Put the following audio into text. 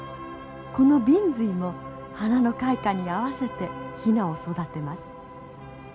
このビンズイも花の開花に合わせてヒナを育てます。